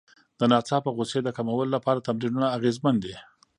د ناڅاپه غوسې د کمولو لپاره تمرینونه اغېزمن دي.